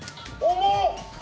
重っ。